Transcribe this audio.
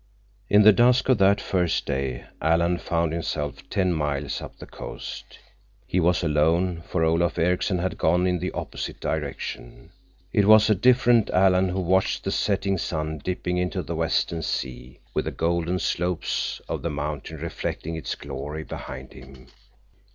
In the dusk of that first day Alan found himself ten miles up the coast. He was alone, for Olaf Ericksen had gone in the opposite direction. It was a different Alan who watched the setting sun dipping into the western sea, with the golden slopes of the mountains reflecting its glory behind him.